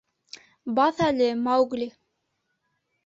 Баҫ әле, Маугли!